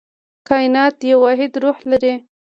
کائنات یو واحد روح لري.